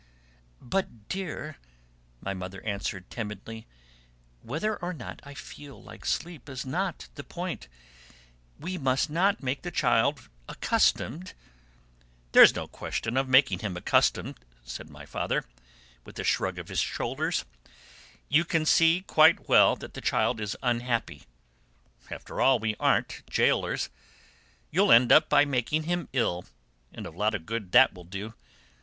"But dear," my mother answered timidly, "whether or not I feel like sleep is not the point; we must not make the child accustomed..." "There's no question of making him accustomed," said my father, with a shrug of the shoulders; "you can see quite well that the child is unhappy. After all, we aren't gaolers. You'll end by making him ill, and a lot of good that will do.